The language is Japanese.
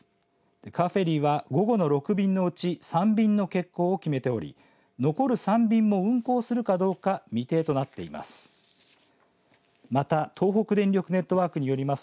カーフェリーは午後の６便のうち３便の欠航を決めており残る３便も運航するかどうか未定となっています。